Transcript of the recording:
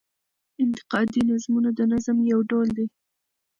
انتقادي نظمونه د نظم يو ډول دﺉ.